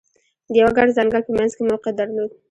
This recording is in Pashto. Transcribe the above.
د یوه ګڼ ځنګل په منځ کې موقعیت درلود.